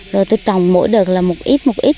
rồi tôi trồng mỗi đợt là một ít một ít